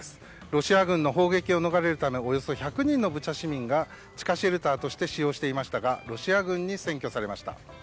ロシア軍の砲撃を逃れるためおよそ１００人のブチャ市民が地下シェルターとして使用していましたがロシア軍に占拠されました。